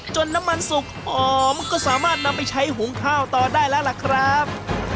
น้ำมันสุกหอมก็สามารถนำไปใช้หุงข้าวต่อได้แล้วล่ะครับ